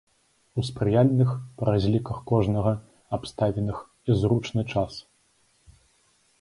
У спрыяльных, па разліках кожнага, абставінах і зручны час.